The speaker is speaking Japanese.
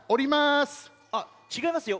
あっちがいますよ。